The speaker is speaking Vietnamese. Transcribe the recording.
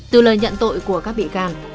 từ lời nhận tội của các bị can